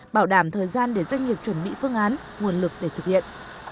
bảo đảm thời gian để doanh nghiệp chuẩn bị phương án nguồn lực để thực hiện